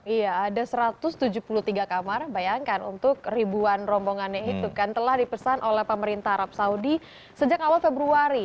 iya ada satu ratus tujuh puluh tiga kamar bayangkan untuk ribuan rombongannya itu kan telah dipesan oleh pemerintah arab saudi sejak awal februari